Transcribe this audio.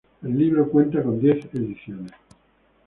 El libro cuenta con diez ediciones.